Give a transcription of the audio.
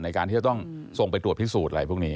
ในการที่จะต้องส่งไปตรวจพิสูจน์อะไรพวกนี้